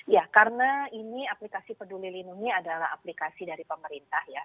ya karena ini aplikasi peduli lindungi adalah aplikasi dari pemerintah ya